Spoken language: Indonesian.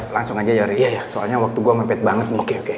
langsung aja yari soalnya waktu gue mempet banget nih